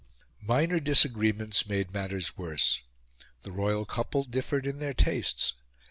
Minor disagreements made matters worse. The royal couple differed in their tastes.